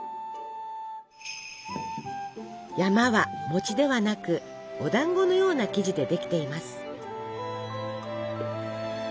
「山」は餅ではなくお団子のような生地でできています。